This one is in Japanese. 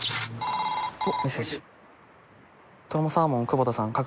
とろサーモン久保田さん。